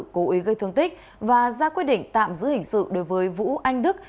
cố ý gây thương tích và ra quyết định tạm giữ hình sự đối với vũ anh đức